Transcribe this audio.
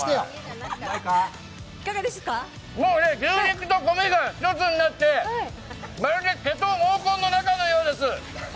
もう牛肉と米が一緒になって、まるで毛と毛根の中のようです。